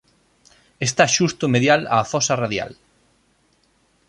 Está xusto medial á fosa radial.